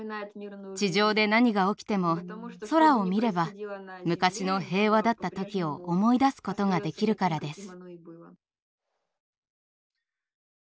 地上で何が起きても空を見れば昔の平和だった時を思い出すことができるからです。